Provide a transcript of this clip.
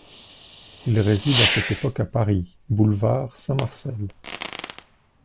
Il réside à cette époque à Paris, boulevard Saint-Marcel.